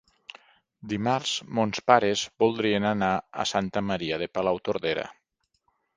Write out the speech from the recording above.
Dimarts mons pares voldrien anar a Santa Maria de Palautordera.